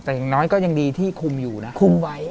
แต่อย่างน้อยก็ยังดีที่คุมอยู่นะคุมไว้